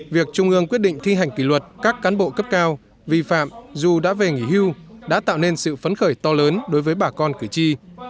việc trung ương quyết định thi hành kỷ luật các cán bộ cấp cao vi phạm dù đã về nghỉ hưu đã tạo nên sự phấn khởi to lớn đối với bà con cử tri